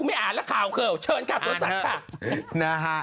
ไม่อ่านแล้วข่าวเกิดเชิญกลับสวนสัตว์ค่ะ